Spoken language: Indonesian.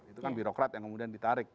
itu kan birokrat yang kemudian ditarik